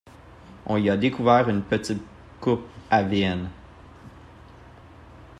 On y a découvert une petite coupe à v.n.